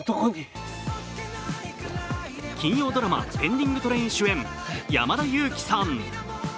金曜ドラマ「ペンディングトレイン」主演、山田裕貴さん。